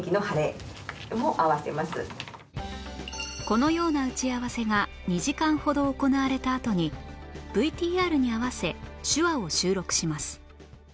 このような打ち合わせが２時間ほど行われたあとに ＶＴＲ に合わせ手話を収録します